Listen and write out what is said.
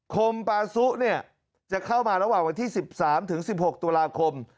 คมปาซุเนี่ยจะเข้ามาระหว่าง๑๓๑๖ตุลาคม